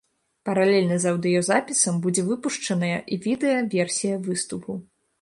Паралельна з аўдыёзапісам будзе выпушчаная і відэа-версія выступу.